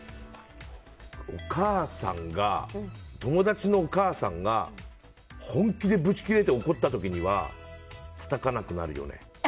友達のお母さんが本気でぶちぎれて怒った時にはたたかなくなるよね。